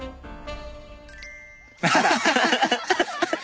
ハハハハッ！